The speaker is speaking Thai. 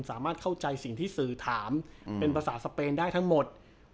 สามารถเข้าใจสิ่งที่สื่อถามเป็นภาษาสเปนได้ทั้งหมด